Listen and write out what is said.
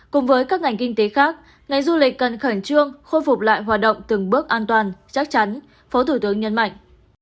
cùng với các ngành kinh tế khác ngành du lịch cần khẩn trương khôi phục lại hoạt động từng bước an toàn chắc chắn phó thủ tướng nhấn mạnh